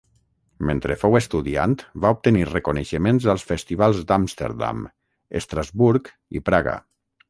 Mentre fou estudiant va obtenir reconeixements als festivals d'Amsterdam, Estrasburg i Praga.